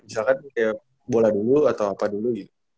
misalkan kayak bola dulu atau apa dulu gitu